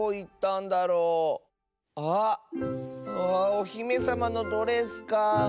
おひめさまのドレスかあ。